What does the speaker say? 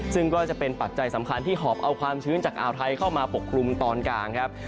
ซึ่งก็จะเป็นปัจจัยสำคัญที่หอบเอาความชื้นจากอ่าวไทยเข้ามาปกคลุมตอนกลางครับ